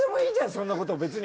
そんなこと別に。